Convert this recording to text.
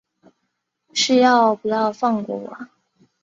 是要不要放过我啊